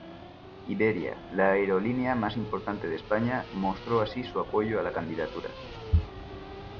Iberia, la aerolínea más importante de España, mostró así su apoyo a la candidatura.